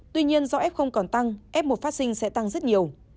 tuy nhiên do f còn tăng f một phát sinh sẽ tăng rất nhiều